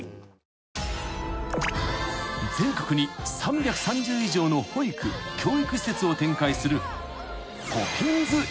［全国に３３０以上の保育教育施設を展開する］